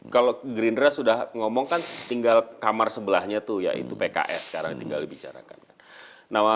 kalau gerindra sudah ngomong kan tinggal kamar sebelahnya tuh yaitu pks sekarang tinggal dibicarakan kan